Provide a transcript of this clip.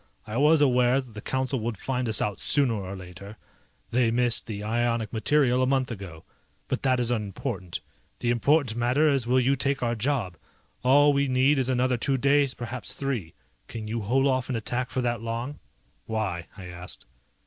I was aware that the Council would find us out sooner or later, they missed the ionic material a month ago. But that is unimportant. The important matter is will you take our job? All we need is another two days, perhaps three. Can you hold off an attack for that long?" "Why?" I asked.